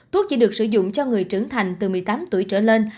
thuốc chỉ được sử dụng cho người trưởng thành từ một mươi tám tuổi trở lên